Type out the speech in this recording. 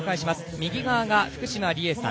右側が福島梨絵さん